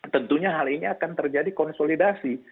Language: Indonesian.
tentunya hal ini akan terjadi konsolidasi